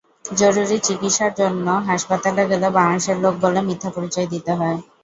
জরুরি চিকিৎসার জন্য হাসপাতালে গেলে বাংলাদেশের লোক বলে মিথ্যা পরিচয় দিতে হয়।